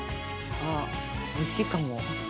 あっおいしいかも。